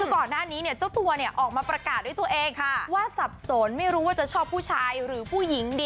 คือก่อนหน้านี้เนี่ยเจ้าตัวเนี่ยออกมาประกาศด้วยตัวเองว่าสับสนไม่รู้ว่าจะชอบผู้ชายหรือผู้หญิงดี